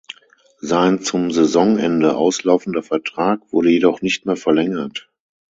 Sein zum Saisonende auslaufender Vertrag wurde jedoch nicht mehr verlängert.